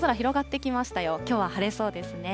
きょうは晴れそうですね。